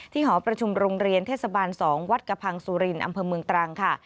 หอประชุมโรงเรียนเทศบาล๒วัดกระพังสุรินอำเภอเมืองตรังค่ะ